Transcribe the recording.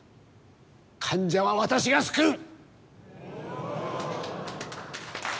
患者は私が救う！